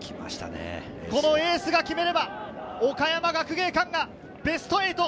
このエースが決めれば岡山学芸館がベスト８。